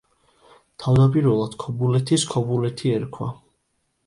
თავდაპირველად ქობულეთის „ქობულეთი“ ერქვა.